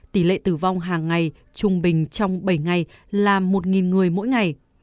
tỷ lệ tử vong hàng ngày trung bình trong bảy ngày là một người mỗi ngày